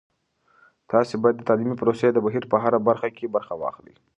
تاسې باید د تعلیمي پروسې د بهیر په هره برخه کې برخه واخلئ.